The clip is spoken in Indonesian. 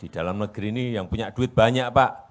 di dalam negeri ini yang punya duit banyak pak